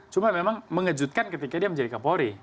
cuma memang mengejutkan ketika dia menjadi kapolri